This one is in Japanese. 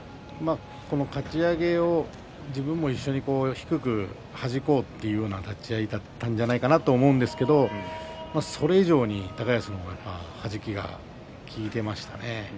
かち上げを自分も一緒に低くはじこうというような立ち合いだったんじゃないかなと思うんですがそれ以上に高安の方がはじきが効いていましたね。